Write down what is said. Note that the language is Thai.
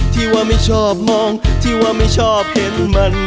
ที่ว่าไม่ชอบมองที่ว่าไม่ชอบเห็นมัน